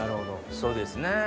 そうですね。